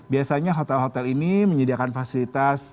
biasanya hotel hotel ini menyediakan fasilitas